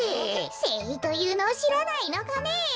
せいいというのをしらないのかねえ。